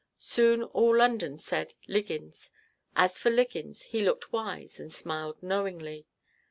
Soon all London said "Liggins." As for Liggins, he looked wise and smiled knowingly.